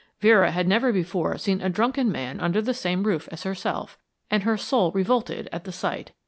Vera had never before seen a drunken man under the same roof as herself, and her soul revolted at the sight.